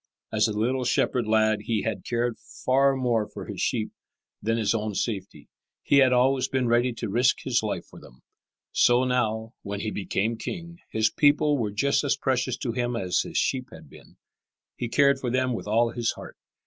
As a little shepherd lad he had cared far more for his sheep than his own safety. He had always been ready to risk his life for them. So now, when he became king, his people were just as precious to him as his sheep had been. He cared for them with all his heart.